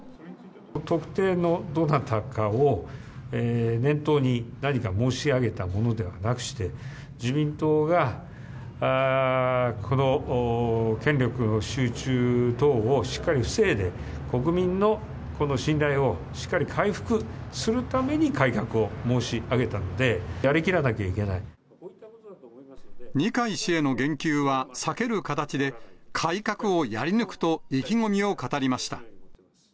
特定のどなたかを念頭に何か申し上げたものではなくして、自民党がこの権力の集中等をしっかり防いで、国民のこの信頼をしっかり回復するために改革を申し上げたので、二階氏への言及は避ける形で、改革をやり抜くと意気込みを語りました。